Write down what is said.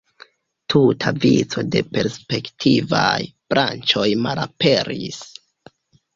Tuta vico da perspektivaj branĉoj malaperis.